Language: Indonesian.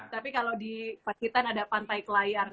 tapi kalau di pacitan ada pantai kelayar